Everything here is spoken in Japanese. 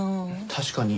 確かに。